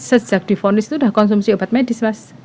sejak difonis itu sudah konsumsi obat medis mas